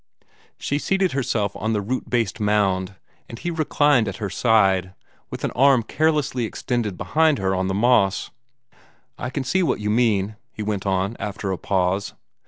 She seated herself on the root based mound, and he reclined at her side, with an arm carelessly extended behind her on the moss. "I can see what you mean," he went on, after a pause.